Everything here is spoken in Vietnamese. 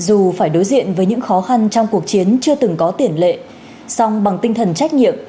dù phải đối diện với những khó khăn trong cuộc chiến chưa từng có tiền lệ song bằng tinh thần trách nhiệm